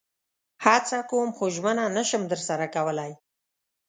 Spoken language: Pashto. هڅه کوم خو ژمنه نشم درسره کولئ